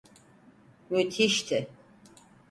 Müthişti!